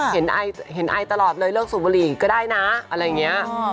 เห็นไอตลอดเลยเลิกสูบบุหรี่ก็ได้นะอะไรอย่างนี้